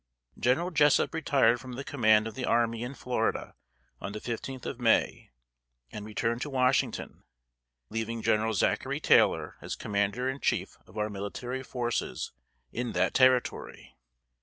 General Jessup retired from the command of the army in Florida on the fifteenth of May, and returned to Washington, leaving General Zachary Taylor as commander in chief of our military forces in that Territory.